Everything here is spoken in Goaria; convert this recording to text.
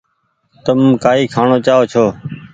تم ڪآئي کآڻو چآئو ڇو ۔